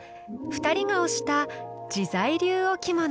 ２人が推した「自在龍置物」。